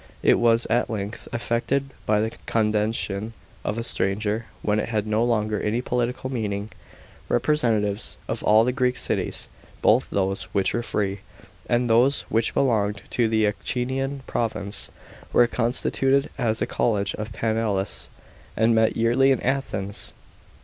It was at length effected by the condescension of a stranger, when it had no longer any political meaning. Representatives of all the Greek cities, both those which were free, and those which belonged to the Achaian province, were constituted as a college of Panhellenes * and met yearly in Athens.